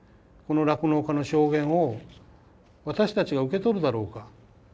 この酪農家の証言を私たちが受け取るだろうか。